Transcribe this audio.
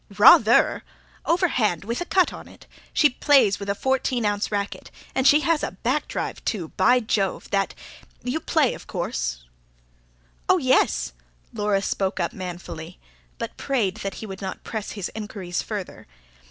"Ra THER! Overhand, with a cut on it she plays with a 14 oz. racquet. And she has a back drive, too, by Jove, that you play, of course?" "Oh, yes." Laura spoke up manfully; but prayed that he would not press his inquiries further.